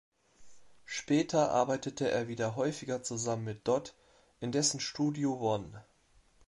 Später arbeitete er wieder häufiger zusammen mit Dodd in dessen Studio One.